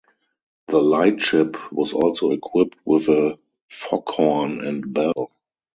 The lightship was also equipped with a foghorn and bell.